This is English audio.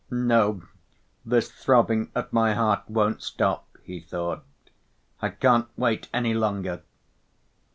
"No, this throbbing at my heart won't stop," he thought. "I can't wait any longer."